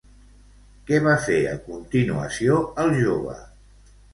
Què va fer a continuació el jove?